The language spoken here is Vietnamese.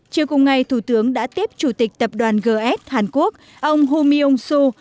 chiều cùng ngày thủ tướng đã tiếp chủ tịch tập đoàn gs hàn quốc ông ho myung soo